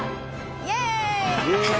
イエーイ！